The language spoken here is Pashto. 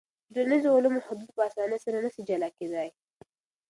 د ټولنیزو علومو حدود په اسانۍ سره نسي جلا کېدای.